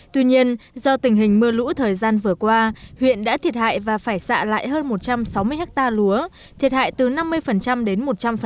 tuy nhiên do tình hình mưa lũ thời gian vừa qua huyện đã thiệt hại và phải xạ lại hơn một trăm sáu mươi ha lúa thiệt hại từ năm mươi đến một trăm linh